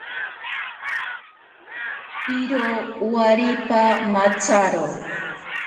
Iro waripa matsaro.